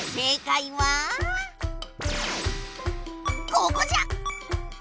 ここじゃ！